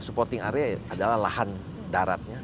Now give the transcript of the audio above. supporting area adalah lahan daratnya